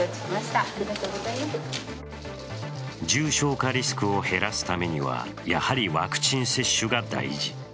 重症化リスクを減らすためにはやはりワクチン接種が大事。